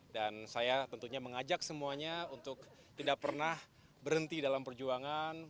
dan saya tentunya mengajak semuanya untuk tidak pernah berhenti dalam perjuangan